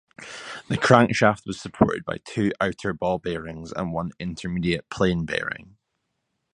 The crankshaft was supported by two outer ball bearings and one intermediate plain bearing.